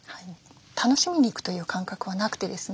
楽しみにいくという感覚はなくてですね